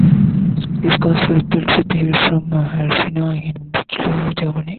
These cars were built with help from Alpina in Buchloe, Germany.